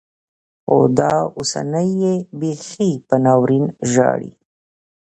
خو دا اوسنۍيې بيخي په ناورين ژاړي.